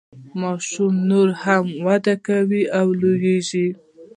ماشوم نوره هم وده کوي او لوییږي.